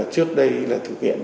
trước đây là thực hiện